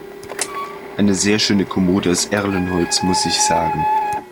Eine sehr schöne Kommode aus Erlenholz, muss ich sagen!